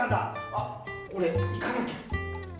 あっ、俺、行かなきゃ。